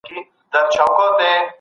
دغه کتاب په ډېره ښه طریقه لیکل سوې دی.